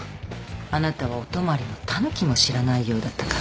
あなたは「お泊まり」も「タヌキ」も知らないようだったから。